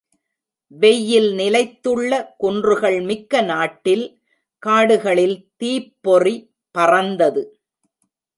வெய்யில் நிலைத்துள்ள குன்றுகள் மிக்க நாட்டில் காடுகளில் தீப்பொறி பறந்தது.